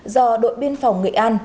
do đội biên phòng nghệ an